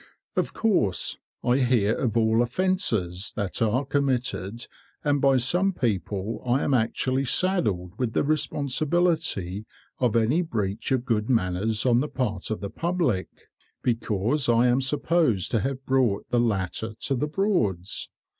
Of course, I hear of all offences that are committed, and by some people I am actually saddled with the responsibility of any breach of good manners on the part of the public, because I am supposed to have brought the latter to the Broads.